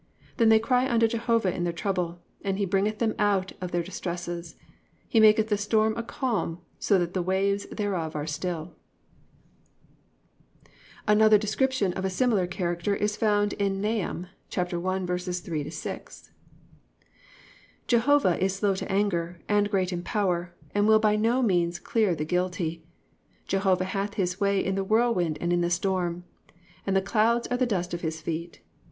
(28) Then they cry unto Jehovah in their trouble, and he bringeth them out of their distresses. (29) He maketh the storm a calm, so that the waves thereof are still."+ Another description of a similar character is found in Nahum 1:3 6: +"Jehovah is slow to anger, and great in power, and will by no means clear the guilty: Jehovah hath his way in the whirlwind and in the storm, and the clouds are the dust of his feet.